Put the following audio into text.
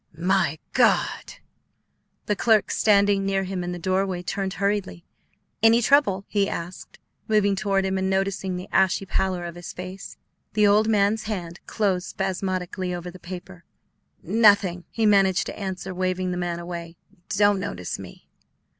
"My God!" The clerk standing near him in the doorway turned hurriedly. "Any trouble?" he asked, moving toward him and noticing the ashy pallor of his face. The old man's hand closed spasmodically over the paper. "Nothing," he managed to answer, waving the man away; "don't notice me."